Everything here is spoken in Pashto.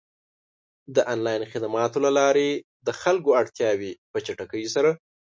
د آنلاین خدماتو له لارې د خلکو اړتیاوې په چټکۍ سره پ